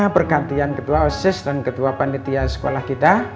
pergantian ketua osses dan ketua panditia sekolah kita